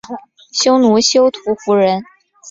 匈奴休屠胡人。